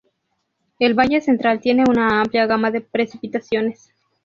El valle Central tiene una amplia gama de precipitaciones.